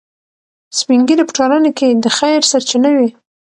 سپین ږیري په ټولنه کې د خیر سرچینه وي.